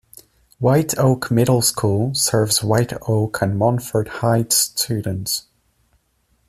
White Oak Middle School serves White Oak and Monfort Heights students.